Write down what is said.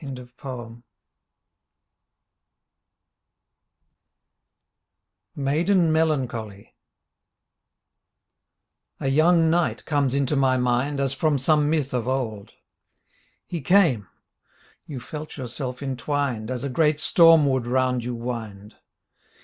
29 MAIDEN MELANCHOLY A young knight comes into my mind As from some myth of old. He came ! You felt yourself entwined As a great storm would round you wind.